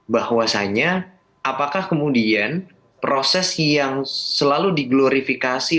bahwasannya apakah kemudian proses yang selalu diglorifikasi